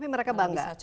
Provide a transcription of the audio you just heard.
tapi mereka bangga